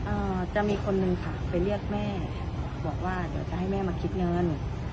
จะมีคนนึงค่ะไปเรียกแม่บอกว่าเดี๋ยวจะให้แม่มาคิดเงิน